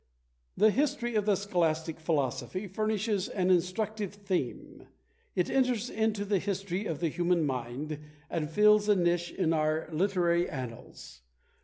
The history of the scholastic philosophy furnishes an instructive theme; it enters into the history of the human mind, and fills a niche in our literary annals.